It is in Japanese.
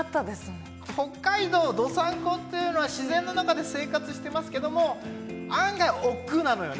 北海道どさんこっていうのは自然の中で生活してますけども案外おっくうなのよね。